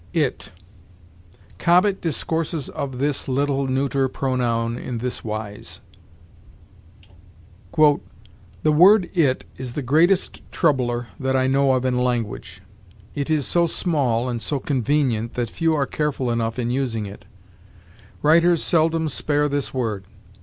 IT. Cobbett discourses of this little neuter pronoun in this wise: "The word it is the greatest troubler that I know of in language. It is so small and so convenient that few are careful enough in using it. Writers seldom spare this word.